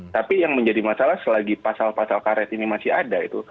tapi yang menjadi masalah selagi pasal pasal karet ini masih ada itu